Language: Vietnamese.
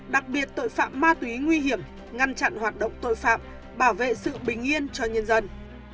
đặc biệt tội phạm ma túy nguy hiểm ngăn chặn hoạt động tội phạm bảo vệ sự bình yên cho nhân dân